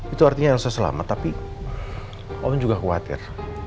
itu artinya elsa selamat tapi om juga khawatir